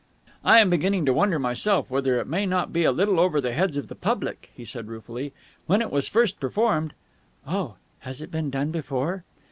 "I am beginning to wonder myself whether it may not be a little over the heads of the public," he said ruefully. "When it was first performed...." "Oh, has it been done before?"